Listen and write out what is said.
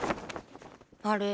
あれ？